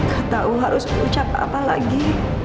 gak tahu harus mengucap apa lagi